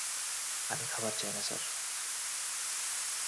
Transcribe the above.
আমি খাবার চাই না, স্যার।